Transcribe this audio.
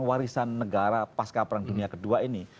warisan negara pasca perang dunia ii ini bukan tingkatan mungkin